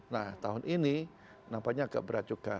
nah tahun ini nampaknya agak berat juga